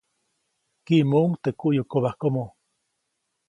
Kiʼmuʼuŋ teʼ kuʼyukobajkomo.